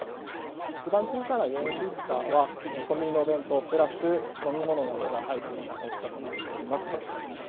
一番小さな４リッターは、コンビニのお弁当プラス飲み物などが入るような大きさとなっております。